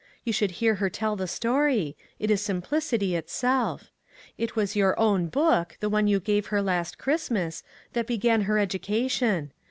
You should hear her tell the story it is simplicity itself. It was your own book, the one you gave her last Christmas, that began her education.